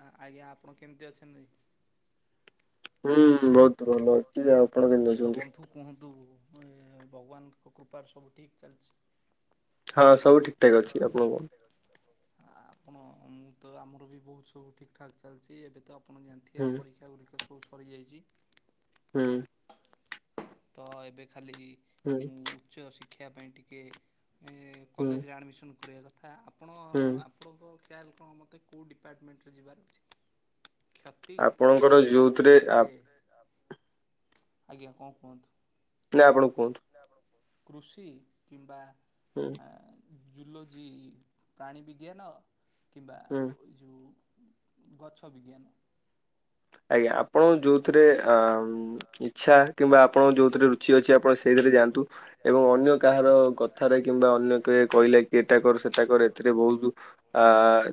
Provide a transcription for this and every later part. ଆ ଆଜ୍ଞା ଆପଣ କେମତି ଅଛନ୍ତି? ହୁଁ ବହୁତ ଭଲ ଅଛି ଆଉ ଆପଣ କେମତି ଅଛନ୍ତି? ମୁ ଏ ଭଗବାନଙ୍କ କୃପାରୁ ସବୁ ଠିକ୍ ଚାଲିଛି। ହଁ ସବୁ ଠିକଠାକ ଅଛି ଆପଣଙ୍କ ର। ଆପଣ ମୁଁ ତ ଆମର ବି ବହୁତ ସବୁ ଠିକ୍ ଠାକ୍ ଚାଲିଛି ଏବେ ତ ଜାଣିଥିବେ ପରୀକ୍ଷା ଗୁଡ଼ିକ ସବୁ ସରିଯାଇଛି। ଉଁ। ତ ଏବେ ଖାଲି ମୁଁ ଉଚ୍ଚ ଶିକ୍ଷା ପାଇଁ ଟିକେ। ଏ କଲେଜରେ ଆଡ଼ମିସନ୍ କରିବା କଥା ଆପଣ ଆପଣଙ୍କ ଖେଆଲ କଣ ମୋତେ କୋଉ ଡିପାର୍ଟ ମେଣ୍ଟରେ ଯିବାର ଅଛି? ଆପଣଙ୍କ ର ଯୋଉଥିରେ ଆ ଆଜ୍ଞା କଣ କୁହନ୍ତୁ। ନା ଆପଣ କୁହନ୍ତୁ। କୃଷି କିମ୍ବା। ହୁଁ। ଜୁଲୋଜି ପ୍ରାଣୀ ବିଜ୍ଞାନ କିମ୍ବା ଓ ଯୋଉ। ଗଛ ବିଜ୍ଞାନ। ଆଜ୍ଞା ଆପଣଙ୍କ ଯୋଉଥିରେ ଆମ୍ ଇଛା କିମ୍ବା ଆପଣଙ୍କ ଯୋଉଥିରେ ରୁଚି ଅଛି ଆପଣ ସେଇଥିରେ। ଯାଆନ୍ତୁ ଏବଂ ଅନ୍ୟ କାହାର କଥାରେ କିମ୍ବା ଅନ୍ୟ କେ କହିଲେ କି ଏଟା କର ସେଟା କର ଏଥିରେ ବହୁତ ତୁ ଆ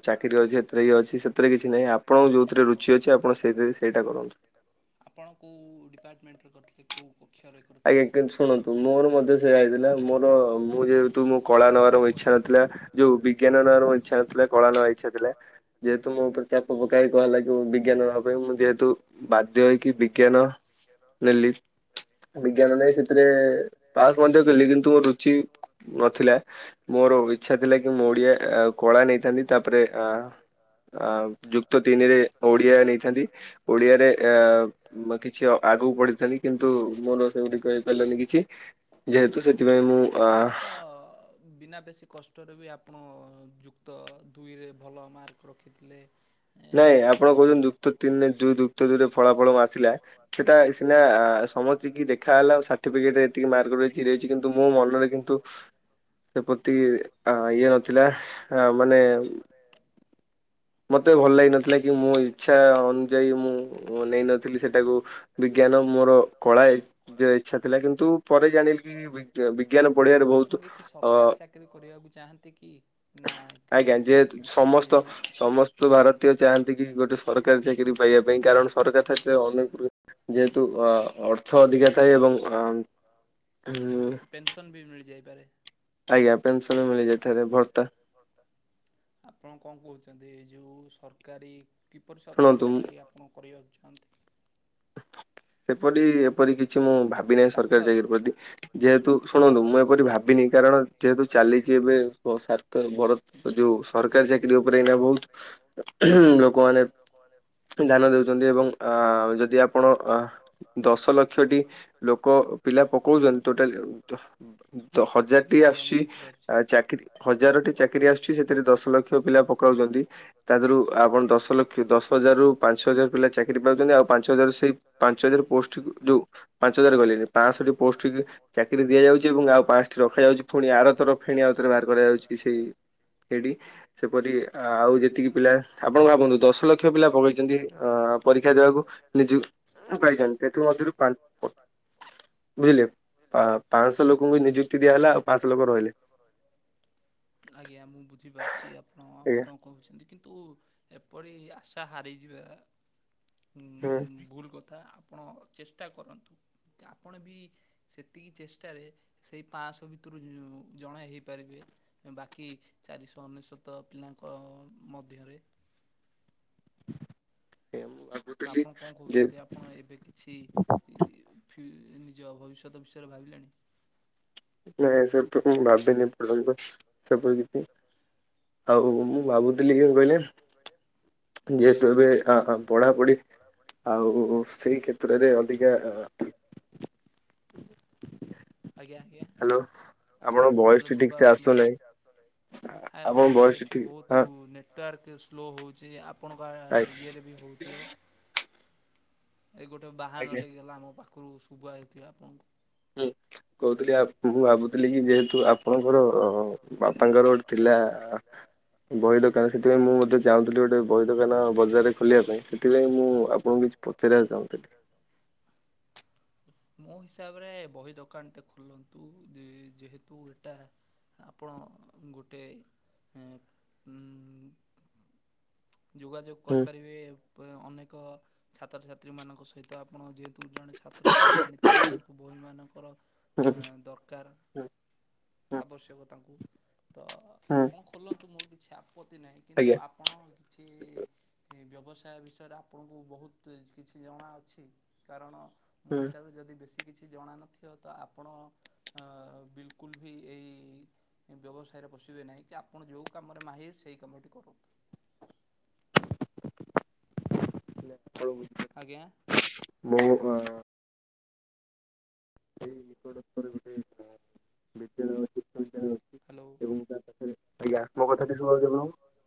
ଚାକିରି ଅଛି ଏଥିରେ ଇଏ ଅଛି ସେଥିରେ କିଛି ନାହିଁ ଆପଣଙ୍କୁ ଯୋଉଥିରେ ରୁଚି ଅଛି। ସେଇଥିରେ ହିଁ ସେଇଟା କରନ୍ତୁ। କୋଉ ଡିପାର୍ଟମେଣ୍ଟରେ କରିଥିଲେ କୋଉ? ଆଜ୍ଞା କିନ୍ତୁ ଶୁଣନ୍ତୁ ମୋର ମଧ୍ୟ ସେଇୟା ହେଇଥିଲା ମୋର ମୁଁ ଯେହେତୁ ମୋ କଳା ନବାର ମୋ ଇଚ୍ଛା ନଥିଲା। ଯୋଉ ବିଜ୍ଞାନ ନବାର ଇଚ୍ଛା ନଥିଲା କଳା ନବା ଇଚ୍ଛା ଥିଲା ଯେହେତୁ ମୋ ପ୍ରତି ଆପଣଙ୍କୁ କାଇଁ କୁଆ ହେଲା କି। ବିଜ୍ଞାନ ନବା ପାଇଁ ମୁଁ ଯେହେତୁ ବାଧ୍ୟ ହେଇକି ବିଜ୍ଞାନ ନେଲି। ବିଜ୍ଞାନ ନେଇ ସେଥିରେ ପାସ୍ ମଧ୍ୟ କଲି କିନ୍ତୁ ମୋ ରୁଚି ନଥିଲା ମୋର ଇଚ୍ଛା। ଛା ଥିଲା କି ମୁଁ ଓଡିଆ କଳା ନେଇଥାନ୍ତି ତାପରେ ଆ ଆ ଯୁକ୍ତ ତିନିରେ ଓଡିଆ ନେଇଥାନ୍ତି ଓଡିଆରେ। ଏ କିଛି ଆଗକୁ ବଢିଥିଲି କିନ୍ତୁ। ତ ଆପଣ ତ ବିନା ବେଶୀ କଷ୍ଟରେ ବି ଆପଣ ଯୁକ୍ତ ଦୁଇରେ ଭଲ ମାର୍କ ରଖିଥିଲେ। ନାଇଁ ଆପଣ କହୁଛନ୍ତି ଯୁକ୍ତ ତିନ୍ ଦୁଇରେ ଫଳାଫଳ ବା ଥିଲା ସେଟା ସିନା ସମସ୍ତିକି ଦେଖା ହେଲା ସାର୍ଟିଫିକେଟରେ ଏତିକି ମାର୍କ ରହିଛି ରହିଛି କିନ୍ତୁ ମୁଁ ମନରେ କିନ୍ତୁ ମିତି ଆ ଇଏ ନଥିଲା ଆ ମାନେ ଏତେ ଭଲ ଲାଗି ନଥିଲା କି ମୋ ଇଛା ଅନୁଯାୟୀ ମୁଁ ନେଇନଥିଲି ସେଟାକୁ ବିଜ୍ଞାନ ମୁ ମୋର କଳା ଏତେ ଇଛା ଥିଲା କିନ୍ତୁ ପରେ ଜାଣିଲି କି ବି ବିଜ୍ଞାନ ପଢିବାରେ ବହୁତ ସରକାରୀ ଚାକିରି କରିବାକୁ ଚାହାନ୍ତି କି? ଆଜ୍ଞା ଯେହେତୁ ସମସ୍ତ ସମ ସୋ ଭାରତୀୟ ଚାହାନ୍ତି କି ଗୋଟେ ସରକାରୀ ଚାକିରି ପାଇବା ପାଇଁ କାରଣ ସରକାର [unintelligible] ଯେହେତୁ ଅ ଅର୍ଥ ଅଧିକା ଥାଏ ଏବଂ ଅମ୍ ପେନ୍ସନ ବି ମିଳି ଆଜ୍ଞା ପେନସନ ବି ମିଳିଯାଇଥାଏ। ଭର୍ତା ଆପଣ କଣ କହୁଚନ୍ତି ଏଇ ଯୋଉ ସରକାରୀ କିପରି ସରକାରୀ ଚାକିରି ଆପଣ କରିବାକୁ ଚା ଏପରି ଏପରି କିଛି ମୁଁ ଭାବି ନାହିଁ ସରକାରୀ ଚାକିରି ପ୍ରତି ଯେହେତୁ ଶୁଣନ୍ତୁ ମୁଁ ଏପରି ଭାବିନି କାରଣ ଯେହେତୁ ଚାଲିଛି ଏବେ [unintelligible] ଯୋଉ ସରକାରୀ ଚାକିରି ଉପରେ ଏଇନା ବହୁତ ଲୋକମାନେ ଧ୍ୟାନ ଦଉଚନ୍ତି ଏବଂ ଆ ଯଦି ଆପଣ ଅ ଦଶ ଲକ୍ଷଟି ଲୋକ ପିଲା ପକଉଚନ୍ତି ଟୋଟାଲ ହଜାରଟି ଆସଚି। ଆ ଚାକିରି ହଜାରଟି ଚାକିରି ଆସୁଚି ସେଥିରେ ଦଶ ଲକ୍ଷ ପିଲା ପକାଉଚନ୍ତି ତା ଦେହରୁ ଆପଣ ଦଶ ଲକ୍ଷ ଦଶ ହଜାର ରୁ ପାଞ୍ଚ ହଜାର ପିଲା ଚାକିରି ପାଉଚନ୍ତି ଆଉ ପାଞ୍ଚ ହଜାର ସେଇ ପାଞ୍ଚ ହଜାର ପୋଷ୍ଟ ଜଉ ପାଞ୍ଚ ହଜାର ଗଲେଣିି ପାଂଶଟି ପୋଷ୍ଟ ଚାକିରି ଦିଆଯାଉଚି ଏବଂ ଆଉ ପାଞ୍ଚଶଟି ରଖାଯାଉଚି ପୁଣି ଆରଥର ଫାଇନାଲ ବାହାର କରାଯାଉଚି କି ସେଇ ସେଇଠି ସେପରି ଆଉ ଯେତିକି ପିଲା ଆପଣ କଣ ଭାବନ୍ତୁ ଦଶ ଲକ୍ଷ ପିଲା ପଳେଇଚନ୍ତି ଅ ପରୀକ୍ଷା ଦେବାକୁ ନିଜ ପାଇଚନ୍ତି ସେଥିମଧ୍ୟରୁ ପା ପ ବୁଝିଲେ ପା ପାଂଶ ଲୋକଙ୍କୁ ନିଯୁକ୍ତି ଦିଆ ହେଲା ଆଉ ପାଂଶ ଲୋକ ରହିଲେ। ଆଜ୍ଞା ମୁଁ ବୁଝିପାରୁଚି ଆପଣ କଣ କହୁଛନ୍ତି କିନ୍ତୁ ତୁ ଏପରି ଆଶା ହାରିଯିବା ଉ ଭୁଲ କଥା ଚେଷ୍ଟା କରନ୍ତୁ ଆପଣ ବି ସେତିକି ଚେଷ୍ଟାରେ ସେଇ ପାଁଶ ଭିତରୁ ଜଣେ ହେଇପାରିବେ ବାକି ଚାରିଶହ ଅନେଶତ ପିଲାଙ୍କ ମଧ୍ୟରେ ତ ଆପଣ କଣ କହୁଛନ୍ତି ଆପଣ ଏବେ କିଛି ନିଜ ଭବିଷ୍ୟତ ବିଷୟରେ ଭାବିଲେଣି ନାଇଁ ସେସବୁ ମୁଁ ଭାବିନି ଏପଯ୍ୟନ୍ତ ସବୁ କିଛି। ଆଉ ମୁଁ ଭାବୁଥିଲି କି କହିଲେ ଯେହେତୁ ଏବେ ହଁ ପଢାପଢି ଆଉ ସେଇ କ୍ଷେତ୍ରରେ ଅଧିକା ଆଜ୍ଞା। ହାଲୋ। ହ୍ୟାଲୋ ଶୁଭାଯାଉଛି ମତେ ଏଠି ବହୁତ ନେଟୱାର୍କ ସ୍ଲୋ ହଉଛି ଆପଣଙ୍କ ଇଏରେ ବି ହଉଥିବ। ଏଇ ଗୋଟେ ବାହାନଟେ ଗଲା ଆମ ପାଖରୁ ଶୁଭାଯାଉଥିବ ଆପଣଙ୍କୁ କହୁଥିଲି ଆଁ ମୁଁ ଭାବୁଥିଲି। ଯେହେତୁ ଆପଣଙ୍କର ବାପାଙ୍କର ଗୋଟେ ଥିଲା। ବହି ଦୋକାନ ସେଥିପାଇଁ ମୁଁ ମଧ୍ୟ ଚାହୁଥିଲି ଗୋଟେ ବହି ଦୋକାନ ବଜାରରେ ଖୋଲିବା ପାଇଁ ସେଥିପାଇଁ ମୁଁ ଆପଣଙ୍କୁ ପଚାରିବାକୁ ଚାହୁଥିଲି। ମୋ ହିସାବରେ ବହି ଦୋକାନ ଟେ ଖୋଲନ୍ତୁ ଦେ ଯେହେତୁ ଉଲଟା ଆପଣ ଗୋଟେ ଏଁ- ଉଁ। ଯୋଗାଯୋଗ କରିପାରିବେ ଅନେକ ଛାତ୍ରଛାତ୍ରୀମାନଙ୍କ ସହିତ ଆପଣ ଯେହେତୁ, ଜଣେ ଛାତ୍ର ଆପଣ ଜାଣିଥିବ ତାଙ୍କୁ ବହୁତ ସେମାନଙ୍କର ଦରକାର ଆବଶ୍ୟକ ତାଙ୍କୁ ତ ଆପଣ ଖୋଲନ୍ତୁ ମୋର କିଛି ଆପତ୍ତି ନାହିଁ, କିନ୍ତୁ ଆପଣ କିଛି ବ୍ୟ ବ୍ୟବସାୟ ବିଷୟରେ ଆପଣଙ୍କୁ, ବହୁତ କିଛି ଜଣାଅଛି କାରଣ ମୋ ହିସାବରେ ଯଦି ବେଶୀ କିଛି ଜଣାନଥିବ ତ ଆପଣ ବିଲକୁଲ ଭି ଏଇ ବ୍ୟବସାୟରେ ପଶିବେ ନାହିଁ କି ଆପଣ ଯୋଉ କାମରେ ମାହିର ସେଇ କାମଟି କରନ୍ତୁ। ଆଜ୍ଞା। ହ୍ୟାଲୋ। [unintelligible]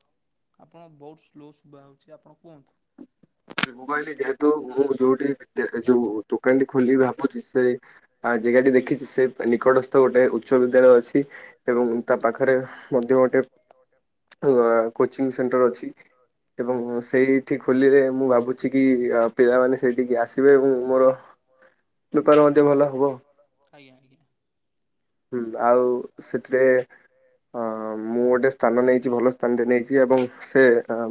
ଆପଣ ବହୁତ ସ୍ଲୋ ଶୁଭା ହଉଛି ଆପଣ କୁହନ୍ତୁ। ମୋବାଇଲ ଯେହେତୁ ମୁଁ ଯୋଉଠି ଯୋଉ ଦୋକାନଟି ଖୋଲିବି ଭାବୁଛି ସେ ଆ ଜାଗାଟି ଦେଖିଛି ସେ ନିକଟସ୍ଥ ଗୋଟେ ଉଚ୍ଚ ବିଦ୍ୟାଳୟ ଅଛି ଏବଂ ତା ପାଖରେ ମଧ୍ୟ ଗୋଟେ କୋଚିଂ ସେଣ୍ଟର ଅଛି ଏବଂ ସେଇଠି ଖୋଲିଲେ ମୁଁ ଭାବୁଛି କି ପିଲାମାନେ ସେଇଠିକି ଆସିବେ ଏବଂ ମୋର ବେପାର ମଧ୍ୟ ଭଲ ହବ ଆଉ। ଆଜ୍ଞା- ଆଜ୍ଞା। ଆଉ ସେଥିରେ ଅ ମୁଁ ଗୋଟେ ସ୍ଥାନ ନେଇଛି ଭଲ ସ୍ଥାନଟେ ନେଇଛି ଏବଂ ସେ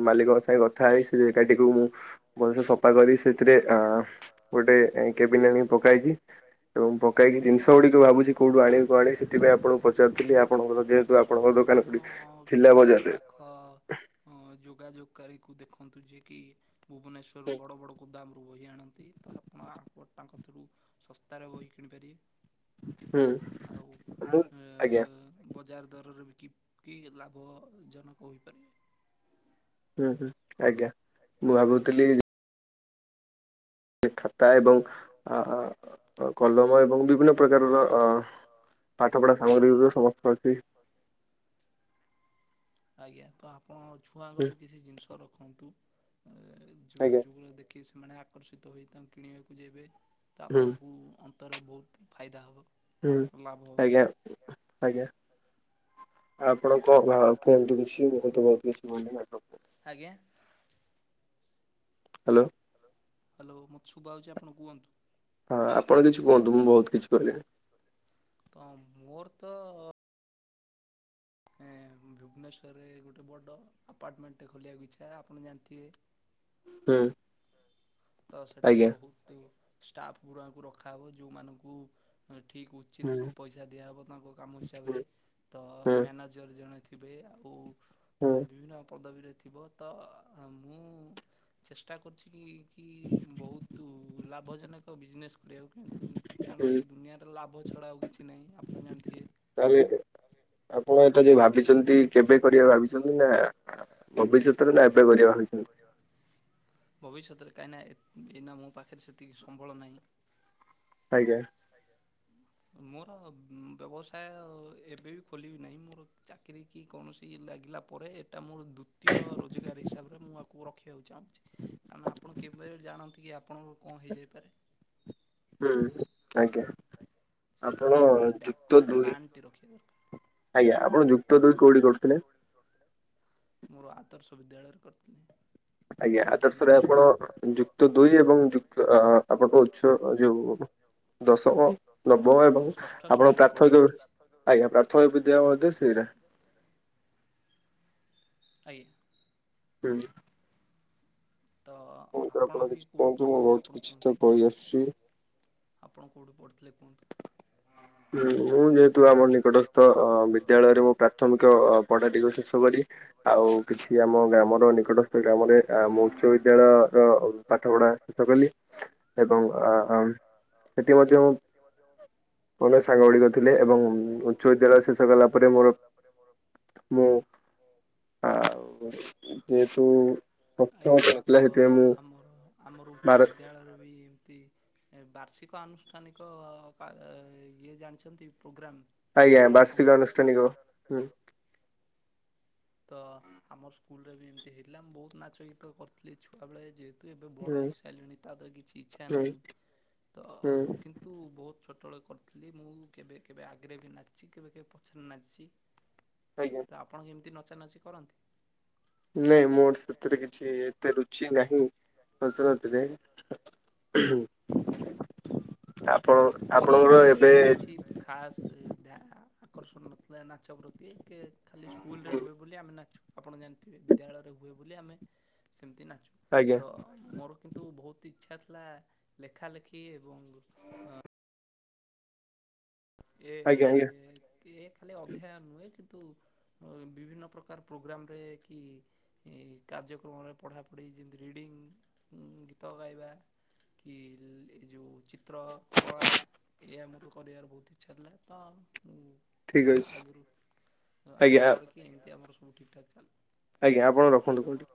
ମାଲିକଙ୍କ ସାଙ୍ଗେ କଥା ହେଇ ସେ ଜେଗାଟିକୁ ମୁଁ ଭଲସେ ସଫା କରି ସେଥିରେ ଗୋଟେ କେବିନ ଆଣିକି ପକାଇଛି। ଏବଂ ପକାଇକି ଜିନିଷ ଗୁଡିକ ଭାବୁଛି କୋଉଠୁ ଆଣିବି କଣ ଆଣିବି ସେଥିପାଇଁ ଆପଣ ପଚାରୁଥିଲି, ଆପଣଙ୍କର ଯେହେତୁ ଆପଣଙ୍କ ଦୋକାନ ଗୋଟେ ଥିଲା ବଜାରରେ। ଅ ଯୋଗାଯୋଗକାରୀକୁ ଦେଖନ୍ତୁ ଯିଏ କି ଭୁବନେଶ୍ଵରରୁ ବଡ ବଡ ଗୋଦାମ ରୁ ବହି ଆଣନ୍ତି ତ ଆପଣ ଆ ତାଙ୍କ ଥ୍ରୋ ରୁ ଶସ୍ତାରେ ବହି କିଣିପାରିବେ। ହୁଁ -ମୁଁ। ଆଁ ବଜାର ଦର [unintelligible] ବିକି କି ଲାଭଜନକ ହୋଇପାରିବେ। ହୁଁ- ହୁଁ ଆଜ୍ଞା ମୁଁ ଭାବୁଥିଲି ସେ ଖାତା ଏବଂ ଆ କଲମ ଏବଂ ବିଭିନ୍ନ ପ୍ରକାରର ଅ ପାଠପଢା ସାମଗ୍ରୀରୁ ସମସ୍ତ ରଖିବି ଆଜ୍ଞା ତ ଆପଣ ଛୁଆଙ୍କର ବି କିଛି ଜିନିଷ ରଖନ୍ତୁ। ଯୋଉ ଯୋଗୁ ରୁ ଦେଖିକି ସେମାନେ ଆକର୍ଷିତ ହୋଇ ତାଙ୍କୁ କିଣିବାକୁ ଯିବେ। ତ ଆପଣଙ୍କୁ ଅନ୍ତରେ ବହୁତ ଫାଇଦା ହବ। ହୁଁ -ଆଜ୍ଞା- ଆଜ୍ଞା। ଆପଣଙ୍କ କ ଭା କୁହନ୍ତୁ କିଛି ବହୁତ ବହୁତ କିଛି ମାନେ ଲାଭ ହେବ। ହ୍ୟାଲୋ। ହ୍ୟାଲୋ ମତେ ଶୁଭାଯାଉଛି ଆପଣ କୁହନ୍ତୁ। ହଁ ଆପଣ କିଛି କୁହନ୍ତୁ ମୁଁ ବହୁତ କିଛି କହିଲିଣି। ତ ଏଁ। ଭୁବନେଶ୍ଵରରେ ଗୋଟେ ବଡ ଆପାର୍ଟମେଣ୍ଟଟେ ଖୋଲିବାକୁ ଇଚ୍ଛା, ଆପଣ ଜାଣିଥିବେ ହୁଁ। ତ ସେଠି ବହୁତୁ ଷ୍ଟାପ ଗୁରାଙ୍କୁ ରଖାହବ ଯୋଉମାନଙ୍କୁ ଉଁ ଠିକ ଉଚିତ୍ ପଇସା ଦିଆହବ ତାଙ୍କ କାମ ହିସାବରେ ତ ମ୍ୟାନେଜର ଜଣେ ଥି ଥିବେ ଆଉ ବିଭିନ୍ନ ପଦବୀରେ ଥିବ ତ ମୁଁ ଚେଷ୍ଟା କରୁଛି କି? କି ବହୁତ ଲାଭଜନକ ବିଜନେସ୍ କରିବାକୁ କିନ୍ତୁ, କାରଣ ଏଇ ଦୁନିଆର ଲାଭ ଛଡା ଆଉ କିଛି ନାହିଁ ଆପଣ ଜାଣିଥିବେ ଆପ୍ ଆପଣ ଏଟା ଯେଉଁ ଭାବିଛନ୍ତି କେବେ କରିବେ ଭାବିଛନ୍ତି ନା ଭବିଷ୍ଯତରେ ନା କେବେ କରିଆ ଭାବିଛନ୍ତି ଭବିଷ୍ୟତରେ କାହିଁକିନା ଏନା ମୋ ପାଖରେ ସେତିକି ସମ୍ବଳ ନାହିଁ ନା ଆଜ୍ଞା। ମୋର ବ୍ୟବସାୟ ଏବେ ବି ଖୋଲିବି ନାହିଁ ମୋର ଚାକିର କି କୌଣସି ଲାଗିଲା ପରେ ଏଟା ମୋର ଦ୍ଵିତୀୟ ରୋଜଗାର ହିସାବରେ ମୁଁ ଆକୁ ରଖିବାକୁ ଚାହୁଁଚି। କାରଣ ଆପଣ କେବେ ଜାଣନ୍ତି କି ଆପଣଙ୍କ କଣ ହେଇଯାଇପାରେ ହୁଁ ଆଜ୍ଞା। ସେଇଠୁ ଆପଣ ଗୋଟେ ବ୍ୟାକଅପ ପ୍ଲାନଟେ ରଖିବେ ଆଜ୍ଞା ଆପଣ ଯୁକ୍ତ ଦୁଇ କୋଉଠି କରୁଥିଲେ ମୋର ଆଦର୍ଶ ବିଦ୍ୟାଳୟ ଆଜ୍ଞା ଆଦର୍ଶରେ ଆପଣ ଯୁକ୍ତ ଦୁଇ ଏବଂ ଯୁକ୍ତ ଆପଣଙ୍କ ଉଚ୍ଚ ଯୋଉ ଦଶମ ନବମ ଏବଂ ଆପଣଙ୍କ ପ୍ରାଥମିକ ଆଜ୍ଞା ପ୍ରାଥମିକ ବିଦ୍ୟା ମଧ୍ୟ ସେଇଟା ଆଜ୍ଞା। ହୁଁ। ହୁଁ ତ ଆପଣ କିଛି କୁହନ୍ତୁ ମୁଁ ବହୁତ କିଛି ତ କହି ଆସୁଚି ଆପଣ କୋଉଠୁ ପଢୁଥିଲେ? ହୁଁ ମୁଁ ଯେ ଆମ ନିକଟସ୍ଥ ବିଦ୍ୟାଳୟରେ ମୁଁ ପ୍ରାଥମିକ ପଢାଟିକୁ ଶେଷ କରି ଆଉ କିଛି ସିଏ ଆମ ଗ୍ରାମର ନିକଟସ୍ଥ ଗ୍ରାମରେ ଆମ ଉଚ୍ଚ ବିଦ୍ୟାଳୟର ପାଠ ପଢା ଶେଷ କଲି ଏବଂ ଆ ସେଠି ମଧ୍ୟ ମୁଁ [unintelligible] ଅନେକ ସାଙ୍ଗ ଗୁଡିକ ଥିଲେ ଏବଂ ଉଁ ଉଚ୍ଚ ବିଦ୍ୟାଳୟ ଶେଷ କଲା ପରେ ମୋର ମୁଁ ଆଉ ଯେହେତୁ ଆଜ୍ଞା ହଁ ତ ଆମର ଆମର ଉଚ୍ଚ ବିଦ୍ୟାଳୟରେ ବି ଏମିତି ଏ ବାର୍ଷିକ ଆନୁଷ୍ଠାନିକ ଇଏ ଜାଣିଛନ୍ତି ପ୍ରୋଗ୍ରାମ ଆଜ୍ଞା ବାର୍ଷିକ ଅନୁଷ୍ଠାନିକ ହୁଁ। ତ ଆମର ସ୍କୁଲରେ ବି ଏମିତି ହେଇଥିଲାଲା ମୁ ବହୁତ ନାଚ ଗୀତ କରିଥିଲି ଛୁଆବେେଳେ ଯେ ଏବେ ବଡ଼ ହେଇସାରିଲେଣି ତା ଦେହର କିଛି ଇଛା ନାହିଁ ତ କିନ୍ତୁ ବହୁତ ଛୋଟବେଳେ କରିଥିଲି ମୁଁ କେବେ କେବେ ଆଗରେ ବି ନାଚିଚି କେବେ କେବେ ପଛରେ ନାଚି ତ ଆପଣ କେମିତି ନଚାନଚି କରନ୍ତି? ନାଇଁ ମୋର ସେଥିରେ କିଛି ଏତେ ରୁଚି ନାହିଁ। ହସଥିଲେ ଆପ ମୋର ବି ଏମିତି କିଛି ଖାସ ଆକର୍ଷଣ ନଥିଲା ନାଚ ପ୍ରତି ଟିକେ ଖାଲି ସ୍କୁଲରେ ହୁଏ ବୋଲି ଆମେ ନାଚୁ ଆପଣ ଜାଣିଥିବେ ବିଦ୍ୟାଳୟରେ ହୁଏ ବୋଲି ଆମେ ସେମିତି ନା ତ ମୋର କିନ୍ତୁ ବହୁତ ଇଚଛା ଥିଲା ଲେଖା ଲେଖି ଏବଂ ଏ ଏ ଖାଲି ଅଧ୍ୟୟନ ନୁହେ କି କିନ୍ତୁ ବିଭିନ୍ନ ପ୍ରକାର ପ୍ରୋଗ୍ରାମରେ କି କାର୍ଯ୍ୟକ୍ରମରେ ପଢ଼ାପଢ଼ି ଯେମିତି ରିଡ଼ିଙ୍ଗ ଗୀତ ଗାଇବା କି ଏ ଯୋଉ ଚିତ୍ର କଳା ଏଇ ଆମର କରବାର ବହୁତ ଇଛାଥିଲା ତ ଆଗରୁ ଆଶା କରିକ ଏମିତି ଆମର ଠିକଠାକ ଚାଲ ଆଜ୍ଞା ଆପଣ ରଖନ୍ତୁ କଲ୍ ଟା